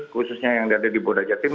khususnya yang ada di bodajatim